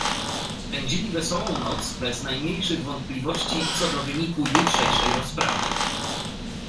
"Spędzili wesołą noc bez najmniejszych wątpliwości co do wyniku jutrzejszej rozprawy."